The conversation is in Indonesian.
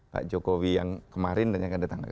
pak jokowi yang kemarin dan yang kedatangan